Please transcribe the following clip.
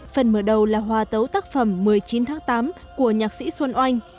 phần mở đầu là hòa tấu tác phẩm một mươi chín tháng tám của nhạc sĩ xuân oanh